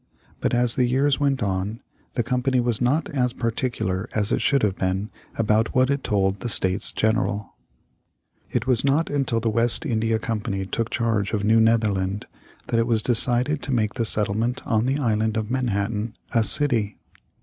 But as the years went on the Company was not as particular as it should have been about what it told the States General. [Illustration: Hall of the States General of Holland.] It was not until the West India Company took charge of New Netherland that it was decided to make the settlement on the Island of Manhattan a city.